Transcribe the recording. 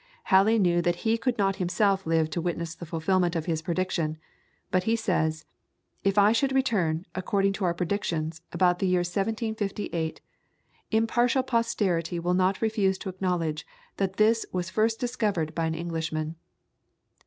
Halley knew that he could not himself live to witness the fulfilment of his prediction, but he says: "If it should return, according to our predictions, about the year 1758, impartial posterity will not refuse to acknowledge that this was first discovered by an Englishman."